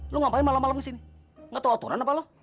lo ngapain malam malam di sini nggak tahu aturan apa lo